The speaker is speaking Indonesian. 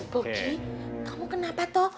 bungki kamu kenapa toh